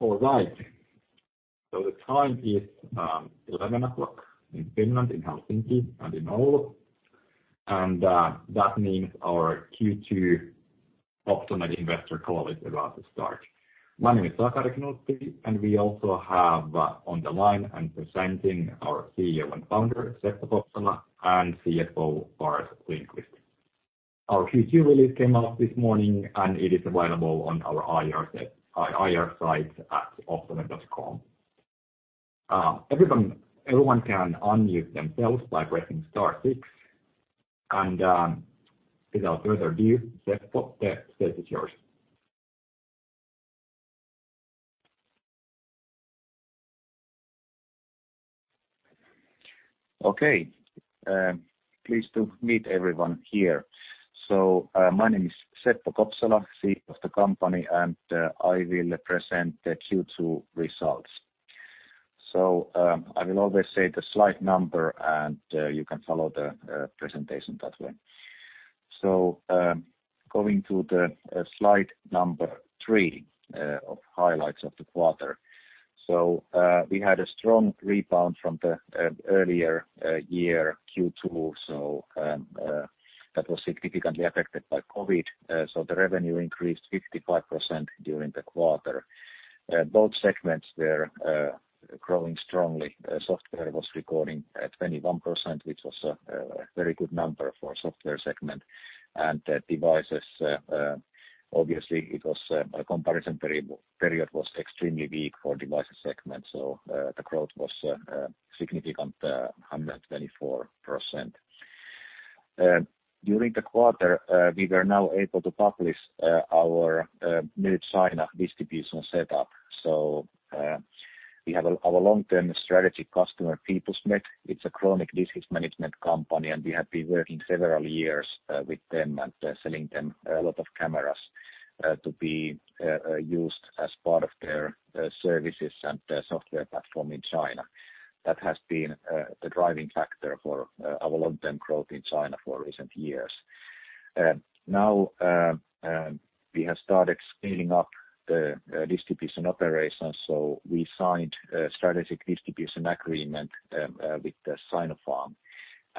All right. The time is 11:00 A.M. in Finland, in Helsinki, and in Oulu, and that means our Q2 Optomed investor call is about to start. My name is Sakari Knuutti, and we also have on the line and presenting our CEO and Founder, Seppo Kopsala, and CFO, Lars Lindqvist. Our Q2 release came out this morning, and it is available on our IR site at optomed.com. Everyone can unmute themselves by pressing star six. Without further ado, Seppo, the stage is yours. Okay. Pleased to meet everyone here. My name is Seppo Kopsala, CEO of the company, and I will present the Q2 results. I will always say the slide number and you can follow the presentation that way. Going to the slide number three, of highlights of the quarter. We had a strong rebound from the earlier year Q2, so that was significantly affected by COVID. The revenue increased 55% during the quarter. Both segments were growing strongly. Software was recording at 21%, which was a very good number for software segment. Devices, obviously, the comparison period was extremely weak for devices segment, so the growth was a significant 124%. During the quarter, we were now able to publish our new China distribution setup. We have our long-term strategy customer, People's Med. It's a chronic disease management company, and we have been working several years with them and selling them a lot of cameras to be used as part of their services and their software platform in China. That has been the driving factor for our long-term growth in China for recent years. Now we have started scaling up the distribution operations. We signed a strategic distribution agreement with the Sinopharm.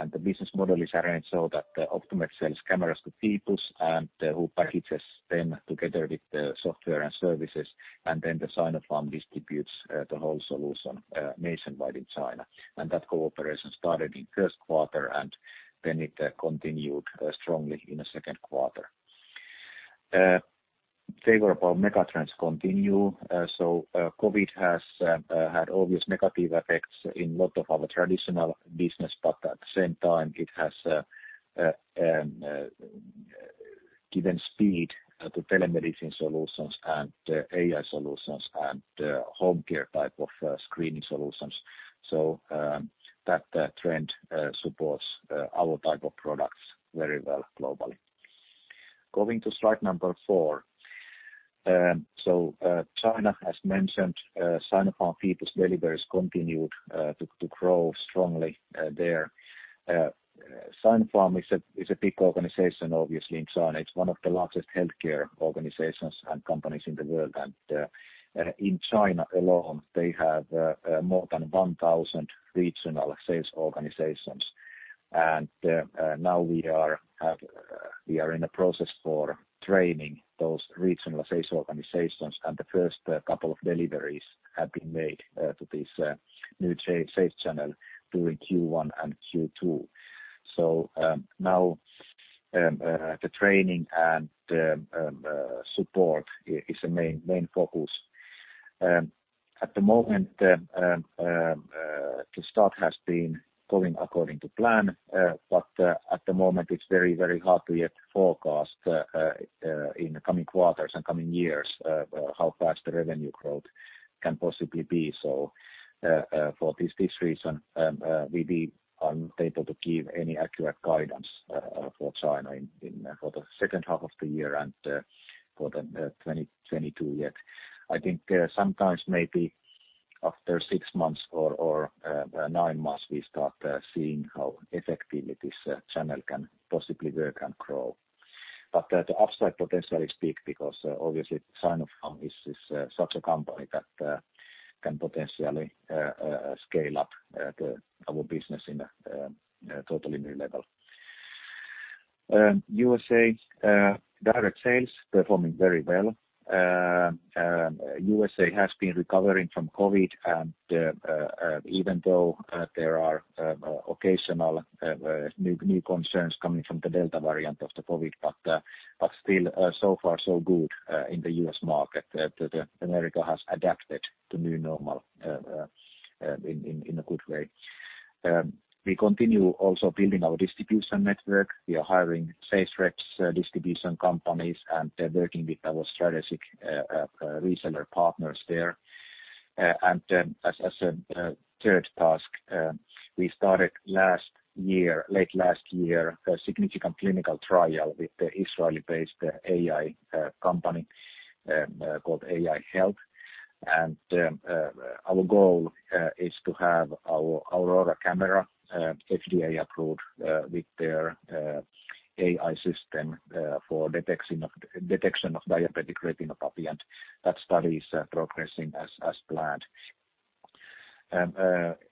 The business model is arranged so that Optomed sells cameras to People's and who packages them together with the software and services, and then the Sinopharm distributes the whole solution nationwide in China. That cooperation started in first quarter, and then it continued strongly in the second quarter. Favorable megatrends continue. COVID has had obvious negative effects in lot of our traditional business, but at the same time, it has given speed to telemedicine solutions and AI solutions and home care type of screening solutions. That trend supports our type of products very well globally. Going to slide number four. China, as mentioned Sinopharm, People's deliveries continued to grow strongly there. Sinopharm is a big organization, obviously in China, it's one of the largest healthcare organizations and companies in the world. In China alone, they have more than 1,000 regional sales organizations. Now we are in a process for training those regional sales organizations, and the first couple of deliveries have been made to this new sales channel during Q1 and Q2. Now the training and support is a main focus. At the moment the start has been going according to plan, at the moment it's very, very hard to yet forecast in the coming quarters and coming years how fast the revenue growth can possibly be. For this reason, we aren't able to give any accurate guidance for China for the second half of the year and for the 2022 yet. I think sometimes maybe after six months or nine months, we start seeing how effectively this channel can possibly work and grow. The upside potential is big because obviously Sinopharm is such a company that can potentially scale up our business in a totally new level. USA direct sales performing very well. USA has been recovering from COVID and even though there are occasional new concerns coming from the Delta variant of the COVID, but still so far so good in the U.S. market that America has adapted to new normal in a good way. We continue also building our distribution network. We are hiring sales reps, distribution companies, and working with our strategic reseller partners there. As a third task, we started late last year a significant clinical trial with the Israeli-based AI company called AEYE Health, and our goal is to have our Aurora camera FDA-approved with their AI system for detection of diabetic retinopathy, and that study is progressing as planned.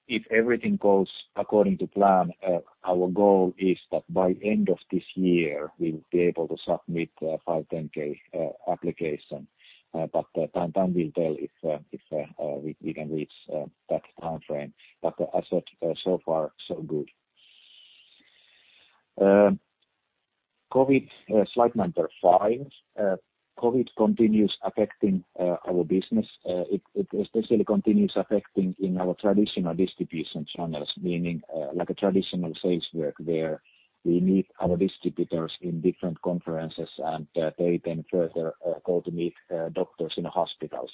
If everything goes according to plan, our goal is that by end of this year, we'll be able to submit a 510(k) application. Time will tell if we can reach that timeframe. As such, so far, so good. COVID, slide number five. COVID continues affecting our business. It especially continues affecting in our traditional distribution channels, meaning traditional sales rep where we meet our distributors in different conferences and they then further go to meet doctors in hospitals.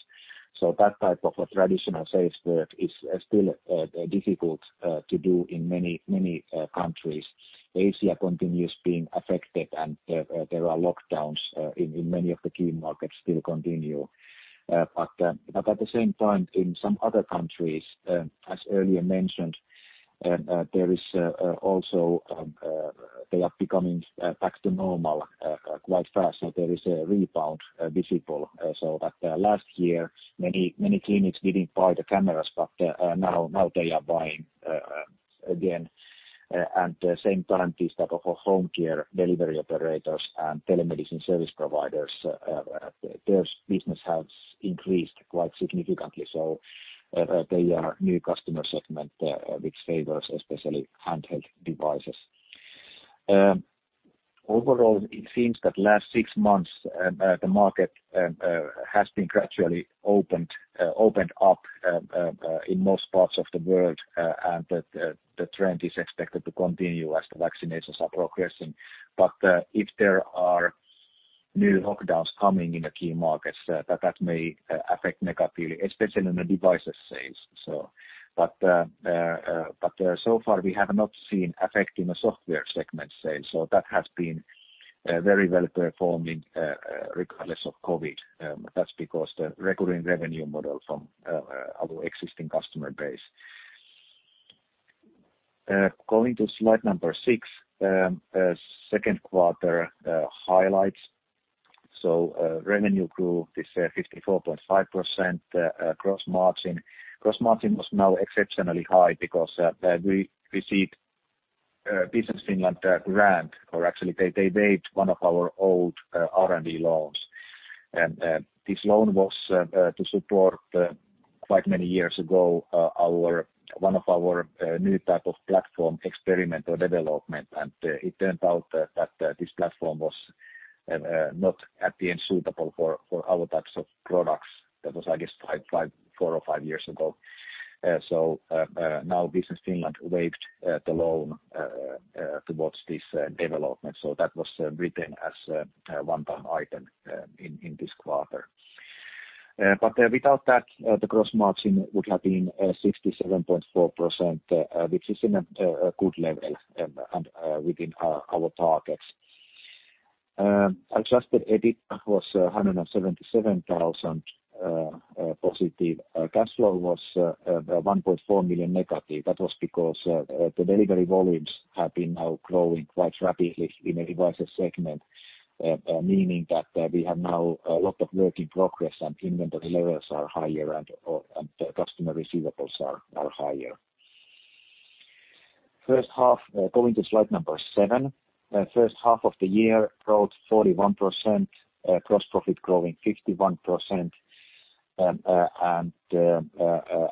That type of a traditional sales rep is still difficult to do in many countries. Asia continues being affected and there are lockdowns in many of the key markets still continue. At the same time, in some other countries, as earlier mentioned, they are becoming back to normal quite fast. There is a rebound visible so that last year, many clinics didn't buy the cameras, but now they are buying again. Same trend is that of home care delivery operators and telemedicine service providers, their business has increased quite significantly. They are new customer segment which favors especially handheld devices. Overall, it seems that last six months, the market has been gradually opened up in most parts of the world and the trend is expected to continue as the vaccinations are progressing. If there are new lockdowns coming in the key markets, that may affect negatively, especially on the devices sales. So far, we have not seen affecting the software segment sales. That has been very well-performing regardless of COVID. That's because the recurring revenue model from our existing customer base. Going to slide number six, second quarter highlights. Revenue grew this 54.5%. Gross margin was now exceptionally high because we received Business Finland grant or actually they waived one of our old R&D loans. This loan was to support quite many years ago one of our new type of platform experimental development and it turned out that this platform was not at the end suitable for our types of products. That was, I guess four or five years ago. Now Business Finland waived the loan towards this development. That was written as a one-time item in this quarter. Without that, the gross margin would have been 67.4%, which is in a good level and within our targets. Adjusted EBIT was EUR 177,000+. Cash flow was 1.4 million-. That was because the delivery volumes have been now growing quite rapidly in a devices segment, meaning that we have now a lot of work in progress and inventory levels are higher and the customer receivables are higher. Going to slide number seven. First half of the year growth 41%, gross profit growing 51%, and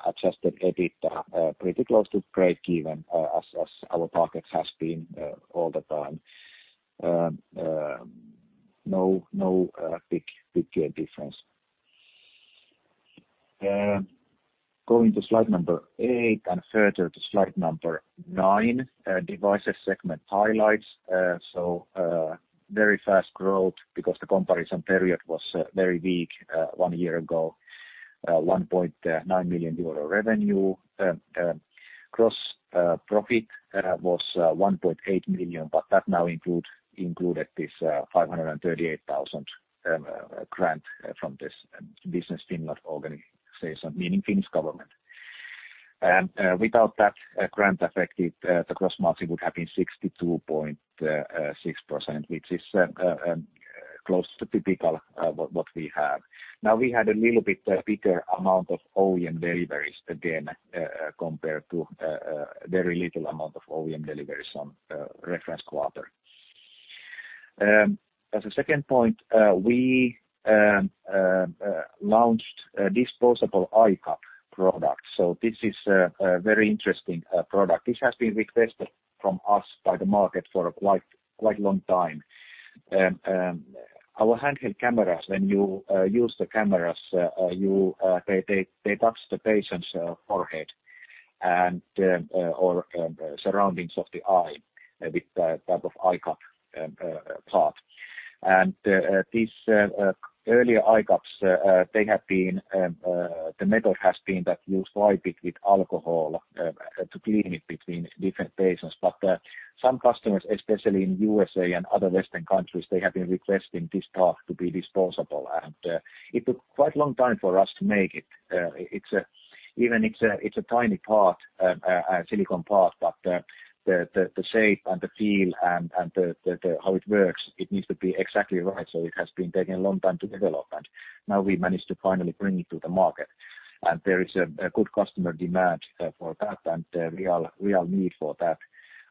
adjusted EBITDA pretty close to breakeven as our targets has been all the time. No big difference. Going to slide number eight and further to slide number nine, devices segment highlights. Very fast growth because the comparison period was very weak one year ago. 1.9 million euro revenue. Gross profit was 1.8 million, that now included this 538,000 grant from this Business Finland organization, meaning Finnish government. Without that grant effect, the gross margin would have been 62.6%, which is close to typical what we have. Now we had a little bit bigger amount of OEM deliveries again compared to very little amount of OEM deliveries on reference quarter. As a second point, we launched a disposable eye cup product. This is a very interesting product. This has been requested from us by the market for quite a long time. Our handheld cameras, when you use the cameras, they touch the patient's forehead and/or surroundings of the eye with that type of eye cup part. These earlier eye cups, the method has been that you swipe it with alcohol to clean it between different patients. Some customers, especially in USA and other Western countries, they have been requesting this part to be disposable. It took quite long time for us to make it. Even it's a tiny part, a silicone part, but the shape and the feel and how it works, it needs to be exactly right. It has been taking a long time to develop, and now we managed to finally bring it to the market, and there is a good customer demand for that and a real need for that.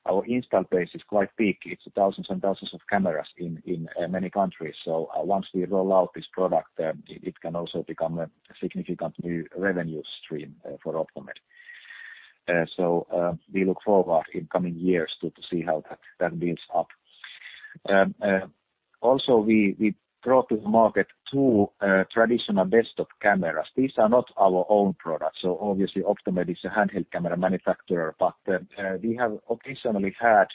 Our install base is quite big. It's thousands and thousands of cameras in many countries. Once we roll out this product, it can also become a significant new revenue stream for Optomed. We look forward in coming years to see how that builds up. Also we brought to the market two traditional desktop cameras. These are not our own products. Obviously Optomed is a handheld camera manufacturer, but we have occasionally had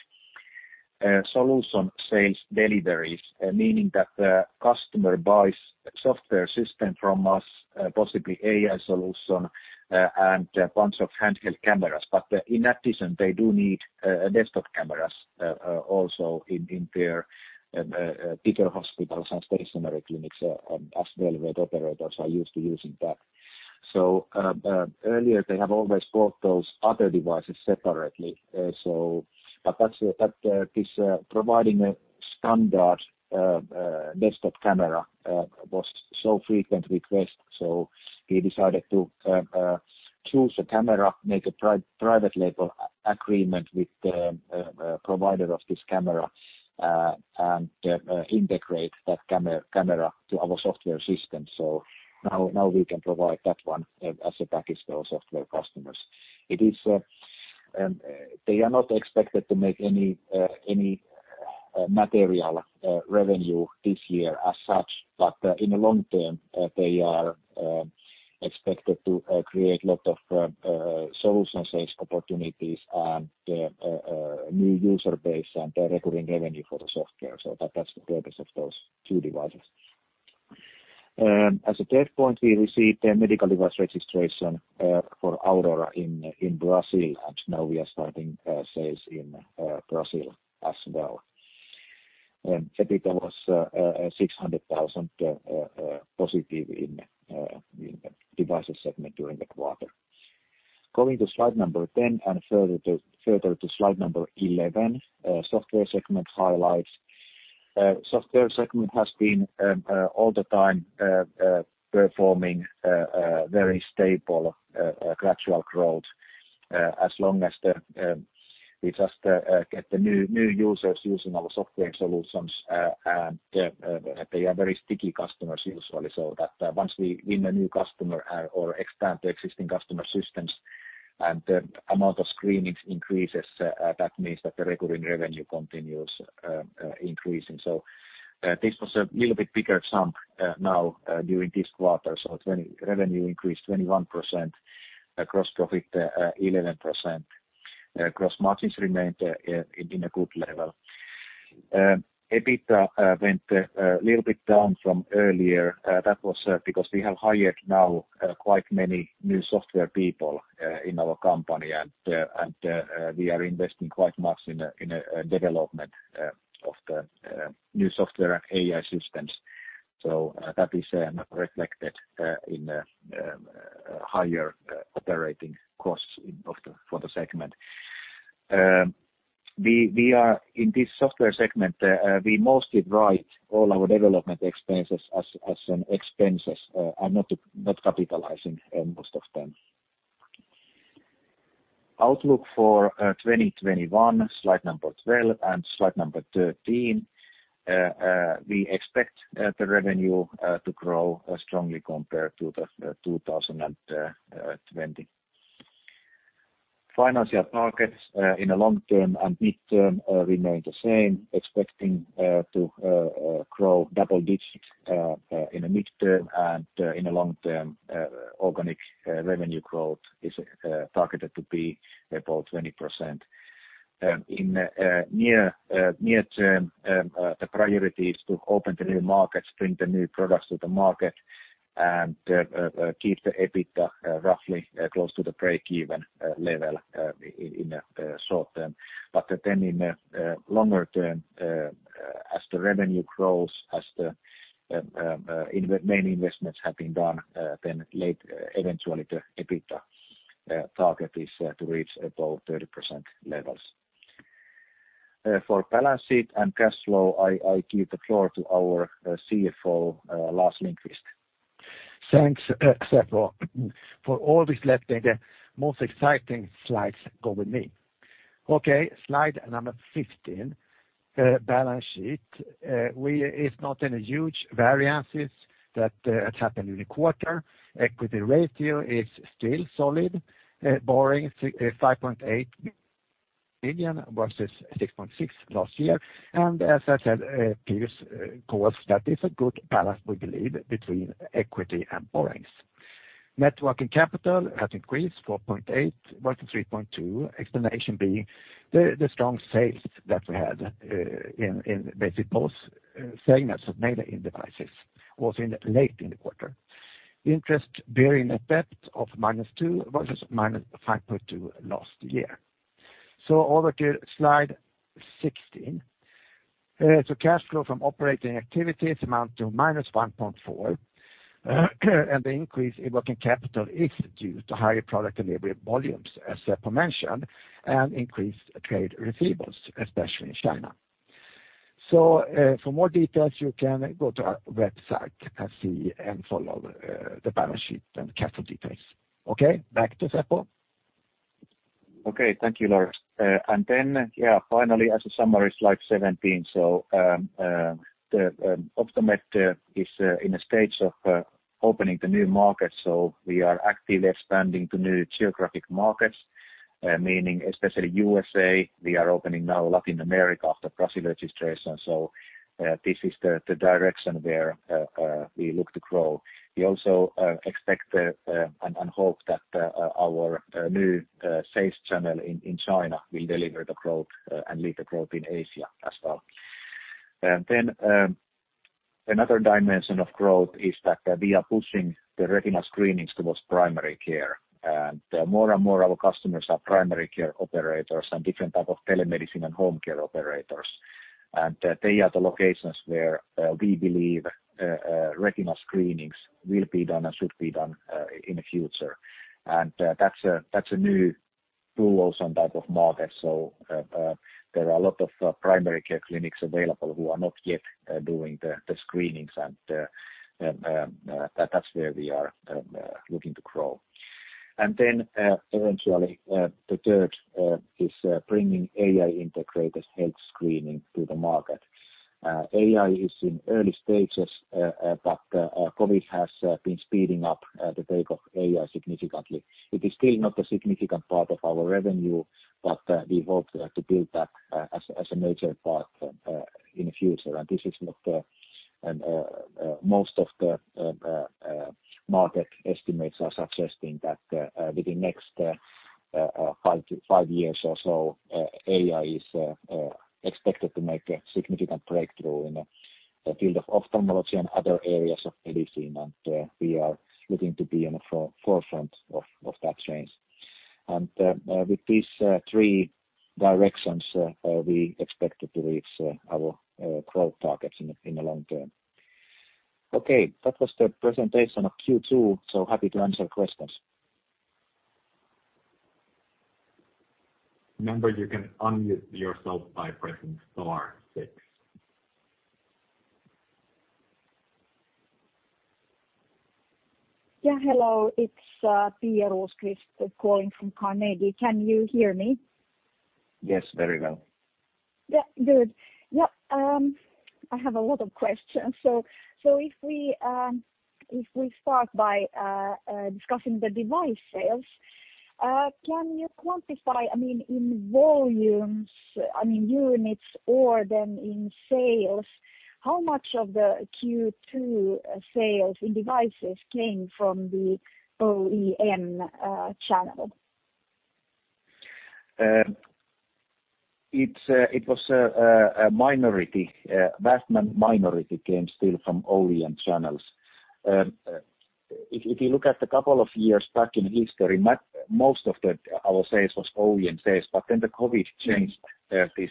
solution sales deliveries, meaning that the customer buys software system from us, possibly AI solution, and a bunch of handheld cameras. In addition, they do need desktop cameras also in their bigger hospitals and stationary clinics as well, where operators are used to using that. Earlier they have always bought those other devices separately. This providing a standard desktop camera was so frequent request, we decided to choose a camera, make a private label agreement with the provider of this camera, and integrate that camera to our software system. Now we can provide that one as a package to our software customers. They are not expected to make any material revenue this year as such, but in the long-term, they are expected to create lot of solution sales opportunities and new user base and the recurring revenue for the software. That's the purpose of those two devices. As a third point, we received a medical device registration for Aurora in Brazil, now we are starting sales in Brazil as well. EBITDA was EUR 600,000 positive in the devices segment during the quarter. Going to slide number 10 and further to slide number 11, software segment highlights. Software segment has been all the time performing very stable, gradual growth, as long as we just get the new users using our software solutions and they are very sticky customers usually. That once we win a new customer or expand the existing customer systems and the amount of screenings increases, that means that the recurring revenue continues increasing. This was a little bit bigger jump now during this quarter. Revenue increased 21%, gross profit 11%, gross margins remained in a good level. EBITDA went a little bit down from earlier. That was because we have hired now quite many new software people in our company, and we are investing quite much in development of the new software and AI systems. That is reflected in higher operating costs for the segment. In this software segment, we mostly write all our development expenses as an expenses and not capitalizing most of them. Outlook for 2021, slide number 12 and slide number 13. We expect the revenue to grow strongly compared to 2020. Financial targets in the long-term and midterm remain the same, expecting to grow double digits in the midterm and in the long-term, organic revenue growth is targeted to be above 20%. In near-term, the priority is to open the new markets, bring the new products to the market and keep the EBITDA roughly close to the break-even level in the short-term. In the longer-term, as the revenue grows, as the main investments have been done, then late eventually the EBITDA target is to reach above 30% levels. For balance sheet and cash flow, I give the floor to our CFO, Lars Lindqvist. Thanks, Seppo, for always letting the most exciting slides go with me. Okay, slide number 15, balance sheet. It's not any huge variances that happened in the quarter. Equity ratio is still solid. Borrowing 5.8 million versus 6.6 million last year. As I said previous calls, that is a good balance, we believe, between equity and borrowings. Net working capital has increased 4.8 million versus 3.2 million, explanation being the strong sales that we had in basic POS segments of mainly in devices, also late in the quarter. Interest-bearing effect of -2 million versus -5.2 million last year. Over to slide 16. Cash flow from operating activities amount to -1.4 million, and the increase in working capital is due to higher product delivery volumes, as Seppo mentioned, and increased trade receivables, especially in China. For more details, you can go to our website and see and follow the balance sheet and capital details. Okay, back to Seppo. Okay. Thank you, Lars. Then finally, as a summary, slide 17. Optomed is in a stage of opening the new market. We are actively expanding to new geographic markets, meaning especially USA, we are opening now Latin America after Brazil registration. This is the direction where we look to grow. We also expect and hope that our new sales channel in China will deliver the growth and lead the growth in Asia as well. Another dimension of growth is that we are pushing the retina screenings towards primary care. More and more our customers are primary care operators and different type of telemedicine and home care operators. They are the locations where we believe retina screenings will be done and should be done in the future. That's a new tool also and type of market. There are a lot of primary care clinics available who are not yet doing the screenings and that's where we are looking to grow. Eventually the third is bringing AI-integrated health screening to the market. AI is in early stages, but COVID has been speeding up the take of AI significantly. It is still not a significant part of our revenue, but we hope to build that as a major part in the future. Most of the market estimates are suggesting that within next five years or so AI is expected to make a significant breakthrough in the field of ophthalmology and other areas of medicine and we are looking to be in the forefront of that change. With these three directions, we expect to reach our growth targets in the long-term. That was the presentation of Q2. Happy to answer questions. Remember, you can unmute yourself by pressing star six. Yeah. Hello, it's Pia Rosqvist calling from Carnegie. Can you hear me? Yes, very well. Yeah, good. I have a lot of questions. If we start by discussing the device sales, can you quantify, in volumes, units or then in sales, how much of the Q2 sales in devices came from the OEM channel? It was a vast minority came still from OEM channels. If you look at a couple of years back in history, most of our sales was OEM sales, but then the COVID changed this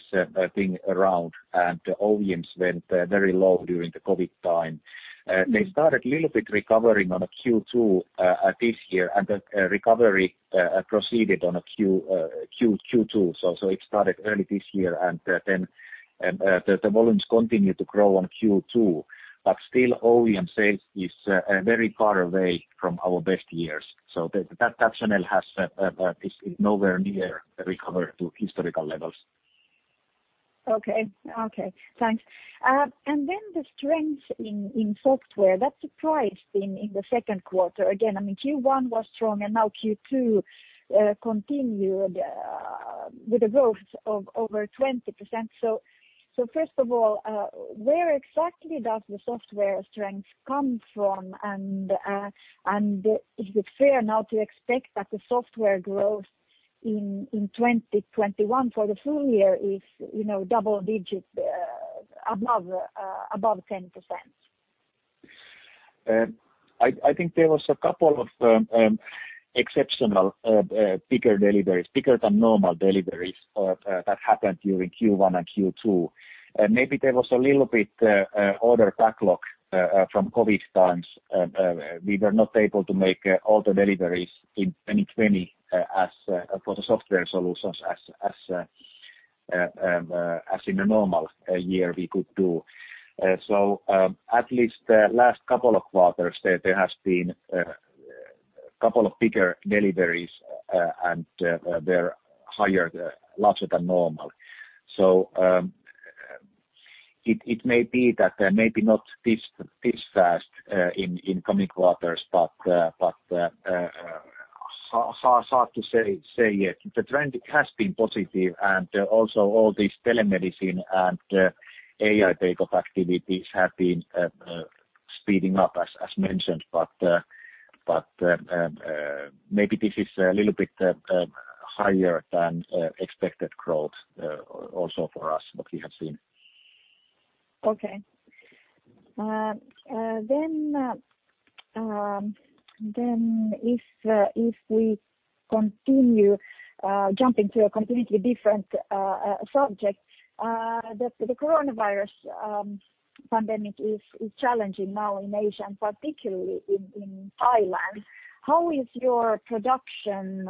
thing around and the OEMs went very low during the COVID time. They started a little bit recovering on a Q2 this year, and the recovery proceeded on a Q2. It started early this year and then the volumes continued to grow on Q2. OEM sales is very far away from our best years. That channel is nowhere near recovered to historical levels. Okay. Thanks. The strength in software, that surprised in the second quarter again. Q1 was strong and now Q2 continued with a growth of over 20%. First of all, where exactly does the software strength come from and is it fair now to expect that the software growth in 2021 for the full year is double digits above 10%? I think there was a couple of exceptional bigger deliveries, bigger than normal deliveries that happened during Q1 and Q2. Maybe there was a little bit order backlog from COVID times. We were not able to make all the deliveries in 2020 for the software solutions as in a normal year we could do. At least the last couple of quarters there has been a couple of bigger deliveries and they're larger than normal. It may be that maybe not this fast in coming quarters. Hard to say yet. The trend has been positive, and also all this telemedicine and AI take-off activities have been speeding up as mentioned, but maybe this is a little bit higher than expected growth also for us, what we have seen. Okay. If we continue jumping to a completely different subject, the coronavirus pandemic is challenging now in Asia and particularly in Thailand. How is your production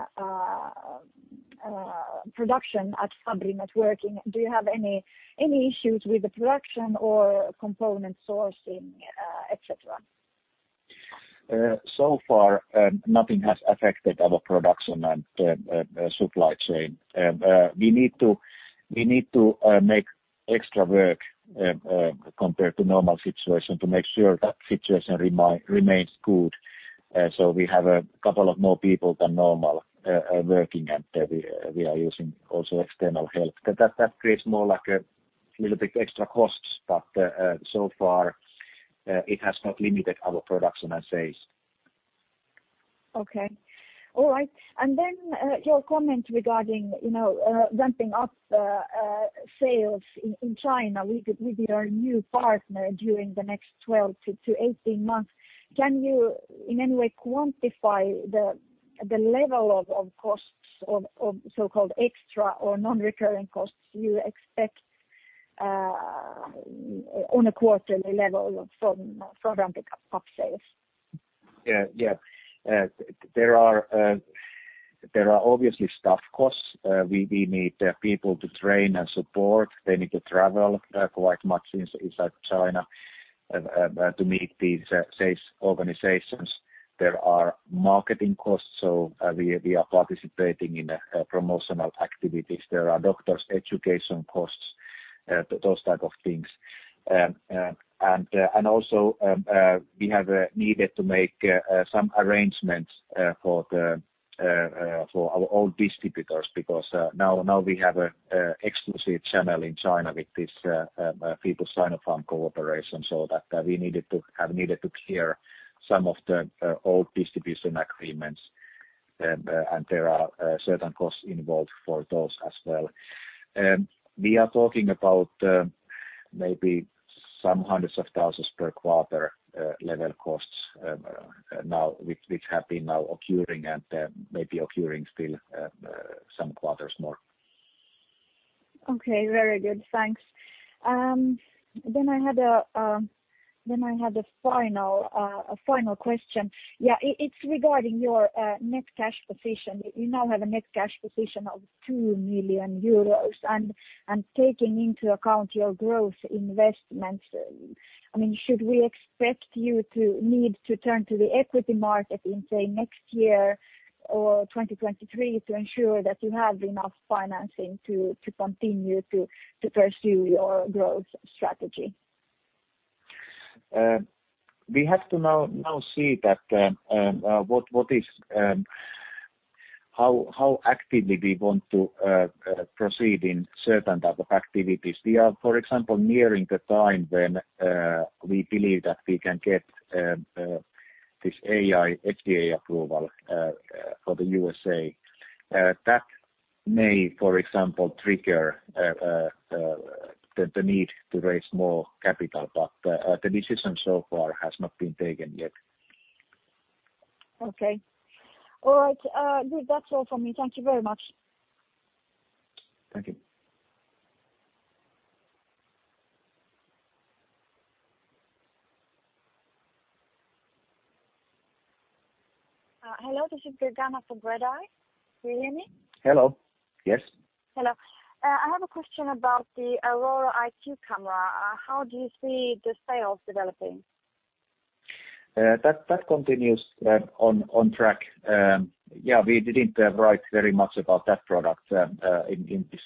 at Fabrinet working? Do you have any issues with the production or component sourcing, et cetera? So far, nothing has affected our production and supply chain. We need to make extra work compared to normal situation to make sure that situation remains good. We have a couple of more people than normal working, and we are using also external help. That creates more like a little bit extra costs, but so far it has not limited our production, I'd say. Okay. All right. Your comment regarding ramping up sales in China with your new partner during the next 12-18 months. Can you in any way quantify the level of costs of so-called extra or non-recurring costs you expect on a quarterly level from ramping up sales? Yeah. There are obviously staff costs. We need people to train and support. They need to travel quite much inside China to meet these sales organizations. There are marketing costs, so we are participating in promotional activities. There are doctors' education costs, those type of things. Also we have needed to make some arrangements for our old distributors because now we have exclusive channel in China with this People's Sinopharm cooperation, so that we have needed to clear some of the old distribution agreements, and there are certain costs involved for those as well. We are talking about maybe some hundreds of thousands per quarter level costs now, which have been now occurring and maybe occurring still some quarters more. Okay. Very good. Thanks. I have a final question. Yeah, it's regarding your net cash position. You now have a net cash position of 2 million euros, and taking into account your growth investments, should we expect you to need to turn to the equity market in, say, next year or 2023 to ensure that you have enough financing to continue to pursue your growth strategy? We have to now see how actively we want to proceed in certain type of activities. We are, for example, nearing the time when we believe that we can get this AI FDA approval for the USA. That may, for example, trigger the need to raise more capital, but the decision so far has not been taken yet. Okay. All right. Good. That's all from me. Thank you very much. Thank you. Hello, this is Gergana from Redeye. Can you hear me? Hello. Yes. Hello. I have a question about the Aurora IQ camera. How do you see the sales developing? That continues on track. Yeah, we didn't write very much about that product in this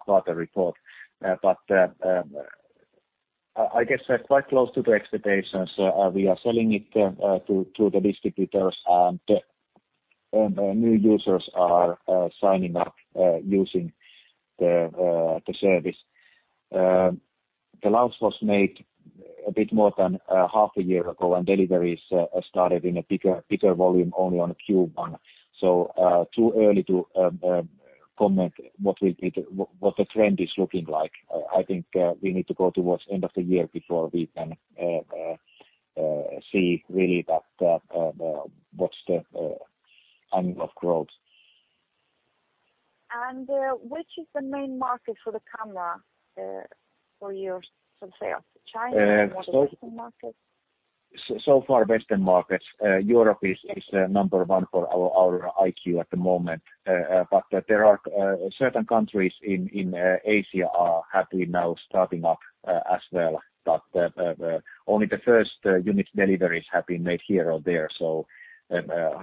quarter report, but I guess they're quite close to the expectations. We are selling it through the distributors, and new users are signing up using the service. The launch was made a bit more than half a year ago, and deliveries started in a bigger volume only on Q1. Too early to comment what the trend is looking like. I think we need to go towards end of the year before we can see really what's the annual growth. Which is the main market for the camera for your sales? China or the Western markets? So far, Western markets. Europe is number one for our IQ at the moment. There are certain countries in Asia are happily now starting up as well. Only the first unit deliveries have been made here or there, so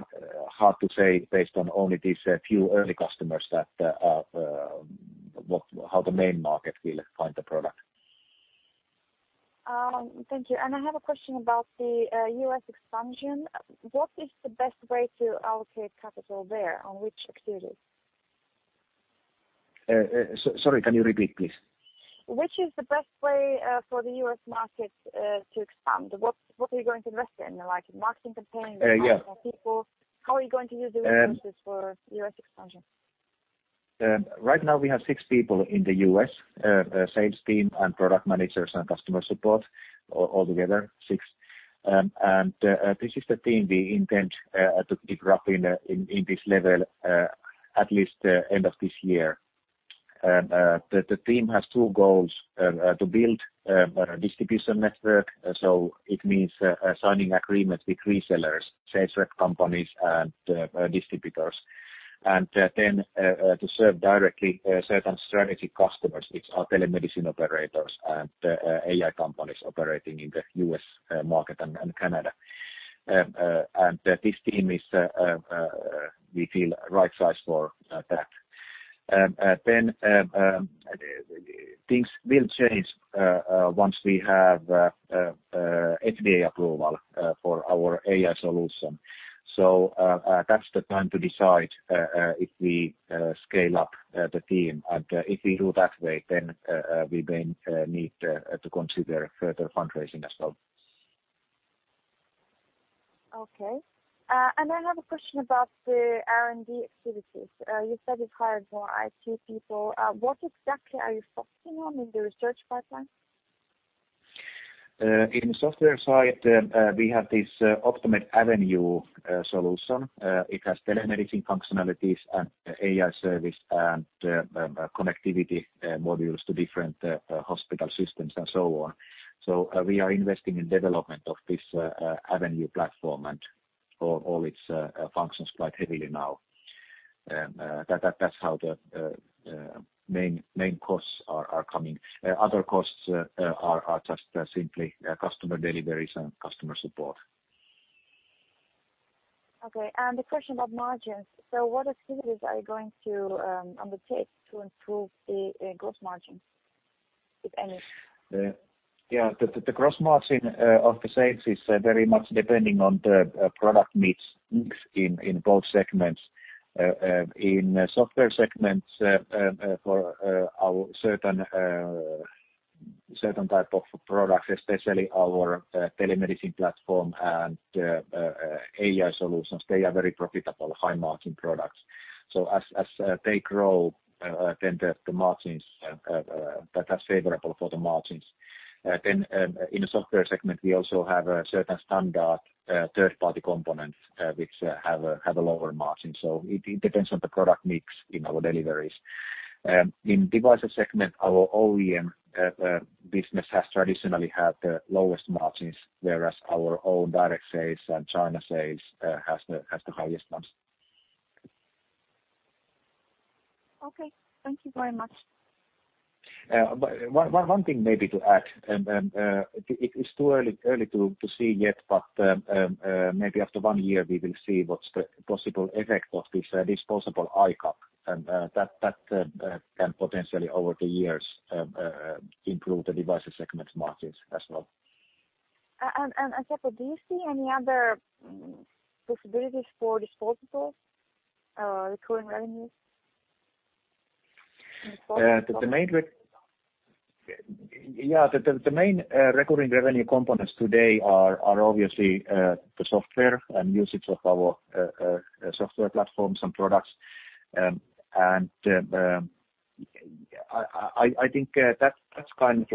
hard to say based on only these few early customers how the main market will find the product. Thank you. I have a question about the U.S. expansion. What is the best way to allocate capital there, on which activities? Sorry, can you repeat, please? Which is the best way for the U.S. market to expand? What are you going to invest in, like marketing campaign? Yeah. Hiring more people? How are you going to use the resources for U.S. expansion? Right now we have six people in the U.S., sales team and product managers and customer support, all together six. This is the team we intend to keep growing in this level at least end of this year. The team has two goals, to build a distribution network. It means signing agreements with resellers, sales rep companies and distributors. To serve directly certain strategic customers, which are telemedicine operators and AI companies operating in the U.S. market and Canada. This team is, we feel, right size for that. Things will change once we have FDA approval for our AI solution. That's the time to decide if we scale up the team. If we do that way, then we may need to consider further fundraising as well. Okay. I have a question about the R&D activities. You said you've hired more IT people. What exactly are you focusing on in the research pipeline? In software side, we have this Optomed Avenue solution. It has telemedicine functionalities and AI service and connectivity modules to different hospital systems and so on. We are investing in development of this Avenue platform and all its functions quite heavily now. That's how the main costs are coming. Other costs are just simply customer deliveries and customer support. Okay, a question about margins. What activities are you going to undertake to improve the gross margins, if any? Yeah, the gross margin of the sales is very much depending on the product mix in both segments. In software segments for our certain type of products, especially our telemedicine platform and AI solutions, they are very profitable, high-margin products. As they grow, then that's favorable for the margins. In the software segment, we also have a certain standard third-party components, which have a lower margin. It depends on the product mix in our deliveries. In devices segment, our OEM business has traditionally had the lowest margins, whereas our own direct sales and China sales has the highest ones. Okay. Thank you very much. One thing maybe to add, it's too early to see yet, but maybe after one year we will see what's the possible effect of this disposable eye cup, and that can potentially over the years improve the devices segment margins as well. Seppo, do you see any other possibilities for disposables, recurring revenues? Yeah. The main recurring revenue components today are obviously the software and usage of our software platforms and products. I think that's kind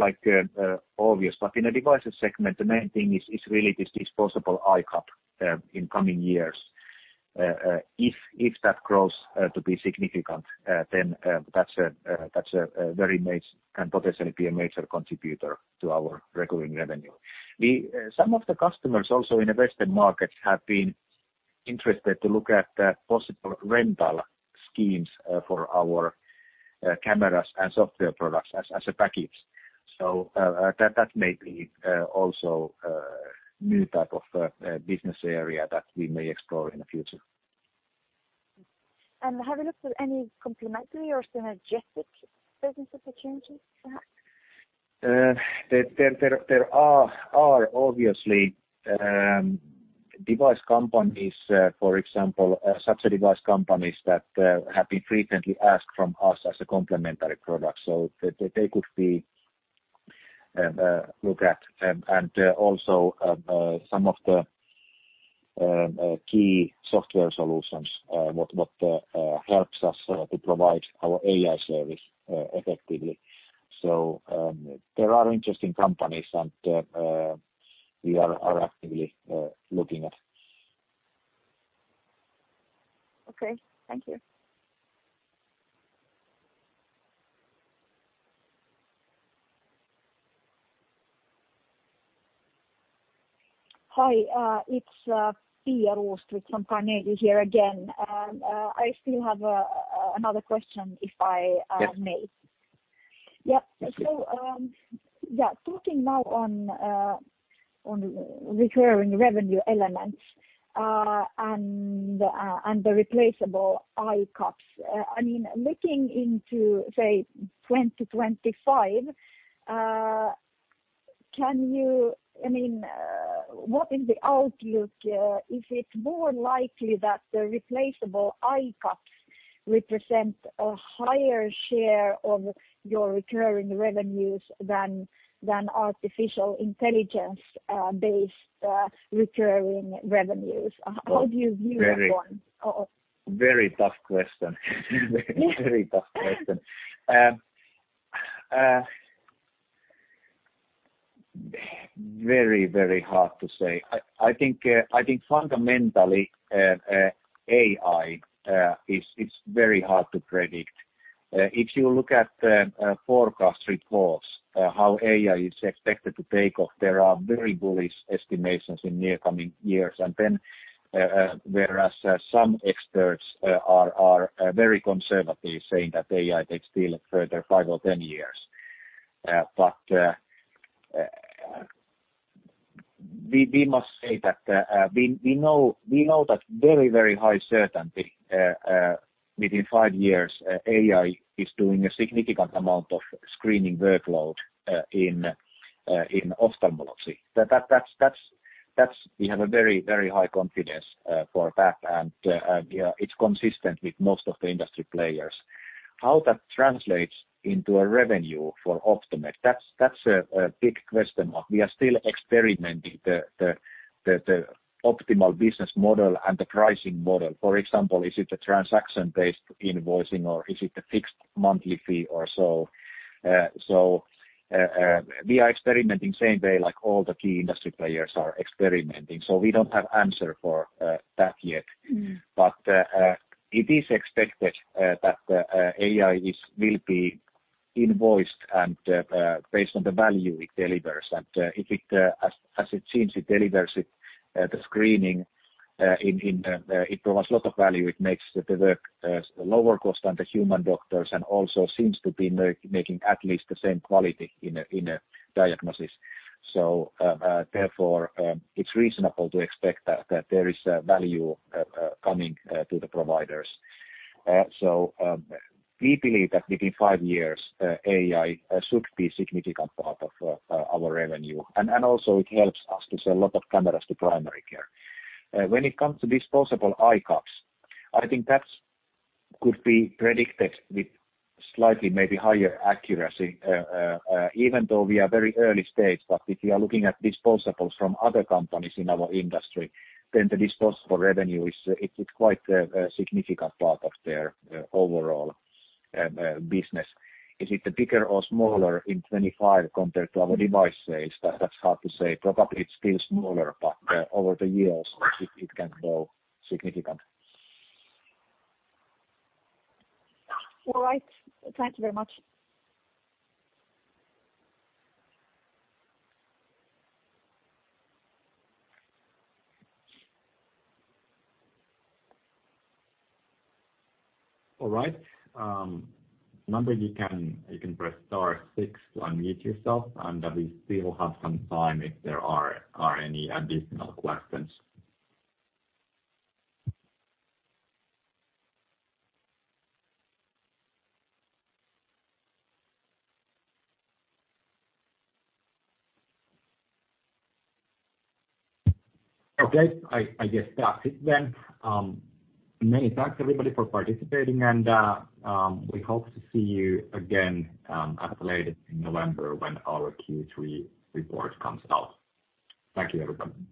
of obvious, but in the devices segment, the main thing is really this disposable eye cup in coming years. If that grows to be significant, then that can potentially be a major contributor to our recurring revenue. Some of the customers also in the Western markets have been interested to look at possible rental schemes for our cameras and software products as a package. That may be also a new type of business area that we may explore in the future. Have you looked at any complementary or synergistic business opportunities perhaps? There are obviously device companies, for example, such device companies that have been frequently asked from us as a complementary product, so they could be looked at. Also some of the key software solutions, what helps us to provide our AI service effectively. There are interesting companies and we are actively looking at. Okay. Thank you. Hi, it's Pia Rosqvist from Carnegie here again. I still have another question, if I may. Yes. Yeah. Talking now On recurring revenue elements and the replaceable eye cups. Looking into, say, 2025, what is the outlook? Is it more likely that the replaceable eye cups represent a higher share of your recurring revenues than artificial intelligence-based recurring revenues? How do you view that one? Very tough question. Very tough question. Very hard to say. I think fundamentally, AI is very hard to predict. If you look at forecast reports, how AI is expected to take off, there are very bullish estimations in near coming years. Whereas some experts are very conservative saying that AI takes still a further five or 10 years. We must say that we know that very high certainty within five years AI is doing a significant amount of screening workload in ophthalmology. We have a very high confidence for that and it's consistent with most of the industry players. How that translates into a revenue for Optomed, that's a big question mark. We are still experimenting the optimal business model and the pricing model. For example, is it a transaction-based invoicing or is it a fixed monthly fee or so? We are experimenting same way like all the key industry players are experimenting. We don't have answer for that yet. It is expected that AI will be invoiced and based on the value it delivers. As it seems, it delivers the screening, it provides a lot of value. It makes the work lower cost than the human doctors and also seems to be making at least the same quality in a diagnosis. Therefore, it's reasonable to expect that there is value coming to the providers. We believe that within five years AI should be a significant part of our revenue and also it helps us to sell a lot of cameras to primary care. When it comes to disposable eye cups, I think that could be predicted with slightly maybe higher accuracy even though we are very early stage, but if you are looking at disposables from other companies in our industry, then the disposable revenue it's quite a significant part of their overall business. Is it bigger or smaller in 2025 compared to our device sales? That's hard to say. Probably it's still smaller, but over the years it can grow significant. All right. Thank you very much. All right. Remember you can press star six to unmute yourself and we still have some time if there are any additional questions. Okay. I guess that's it then. Many thanks everybody for participating and we hope to see you again at the latest in November when our Q3 report comes out. Thank you, everyone.